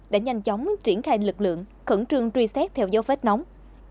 đã nhanh chóng triển khai lực lượng khẩn trương truy xét theo dấu vết nóng